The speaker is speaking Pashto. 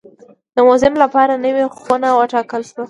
د موزیم لپاره نوې خونه وټاکل شوه.